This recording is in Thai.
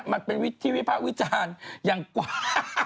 มันเป็นวิธีวิภาควิจารณ์ยังกว้าง